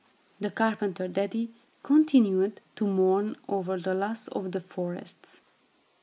The carpenter daddy continued to mourn over the loss of the forests.